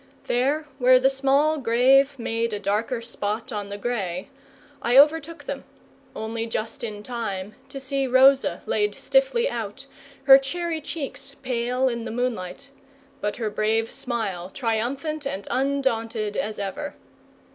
There, where the small grave made a darker spot on the grey, I overtook them, only just in time to see Rosa laid stiffly out, her cherry cheeks pale in the moonlight, but her brave smile triumphant and undaunted as ever.